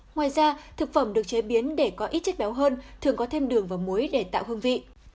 ngoài ra thực phẩm được chế biến để có ít chất béo hơn thường có thêm đường và muối để tạo hương vị